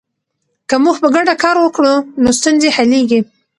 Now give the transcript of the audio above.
که موږ په ګډه کار وکړو نو ستونزې حلیږي.